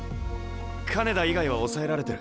金田以外は抑えられてる。